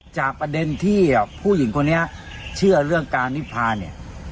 จากประเด็นที่ผู้หญิงคนนี้เชื่อเรื่องการนิพาเนี่ย